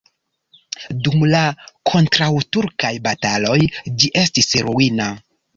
Dum la kontraŭturkaj bataloj ĝi estis ruina.